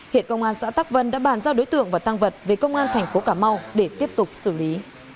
hiện công an xã tắc vân đã bàn giao đối tượng và tăng vật về công an thành phố cà mau để tiếp tục xử lý